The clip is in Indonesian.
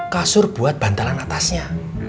kasur buat bantalan atasnya